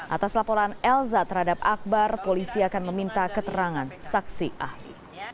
atas laporan elza terhadap akbar polisi akan meminta keterangan saksi ahli